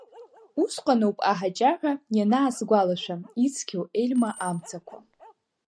Усҟаноуп аҳаҷаҳәа ианаасгәалашәа Ицқьоу Ельма амцақәа.